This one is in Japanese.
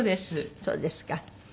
そうですか。